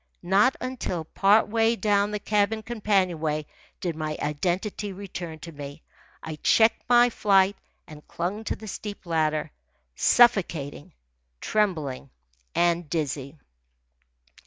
Not until part way down the cabin companionway did my identity return to me. I checked my flight and clung to the steep ladder, suffocating, trembling, and dizzy.